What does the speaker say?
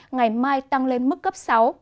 ngày mai tăng lên mức cấp sáu